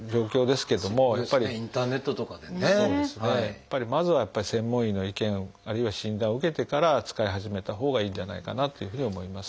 やっぱりまずは専門医の意見あるいは診断を受けてから使い始めたほうがいいんじゃないかなというふうに思います。